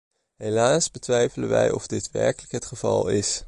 Helaas betwijfelen wij of dit werkelijk het geval is.